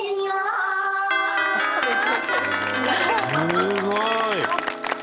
すごい。